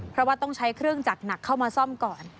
เพราะว่าต้องใช้เครื่องจักรหนักเข้ามาซ่อมก่อน